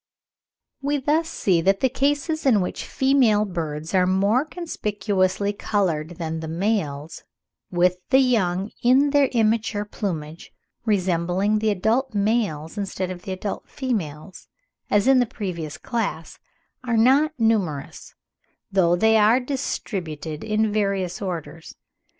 We thus see that the cases in which female birds are more conspicuously coloured than the males, with the young in their immature plumage resembling the adult males instead of the adult females, as in the previous class, are not numerous, though they are distributed in various Orders.